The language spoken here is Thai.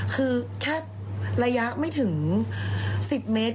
คือแค่ระยะไม่ถึง๑๐เมตร